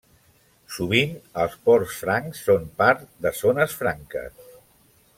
Sovint els ports francs són part de zones franques.